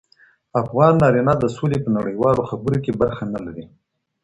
افغان نارینه د سولي په نړیوالو خبرو کي برخه نه لري.